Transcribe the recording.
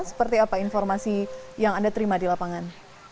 seperti apa informasi yang anda terima di lapangan